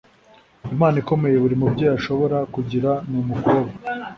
impano ikomeye buri mubyeyi ashobora kugira ni umukobwa